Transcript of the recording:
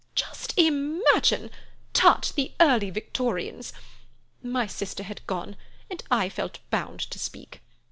Just imagine! 'Tut! The early Victorians.' My sister had gone, and I felt bound to speak.